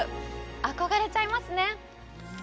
憧れちゃいますね。